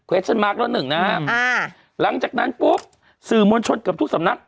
อืมอ่าแล้วหนึ่งนะอ่าหลังจากนั้นปุ๊บสื่อมวลชนกับทุกสำนัก